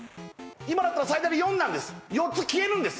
今だったら最大で４なんです